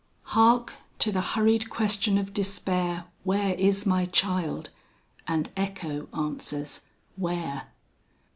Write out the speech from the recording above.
"Hark! to the hurried question of Despair, Where is my child? and Echo answers Where?"